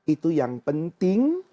itu yang penting